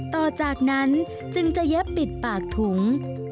ต่อจากนั้นจึงจะเย็บปิดปากถุง